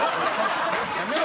やめろ！